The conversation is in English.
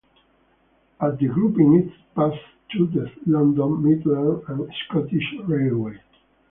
At the grouping it passed to the London, Midland and Scottish Railway.